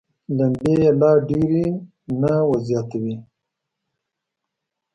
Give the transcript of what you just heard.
لمبې یې لا ډېرې نه وزياتوي.